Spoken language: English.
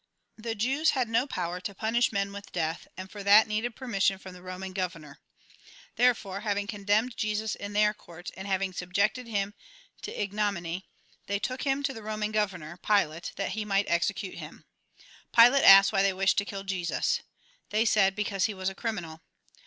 The Jews had no power to punish men with death, and for that needed permission from the A RECAPITULATION 219 Eoman governor. Therefore, having condemned Jesus in their court, and having subjected him to ignominy, they took him to the Eoman governor, Pilate, that he might execute him. Pilate asked why they wished to kill Jesus. They said, because he was a criminal.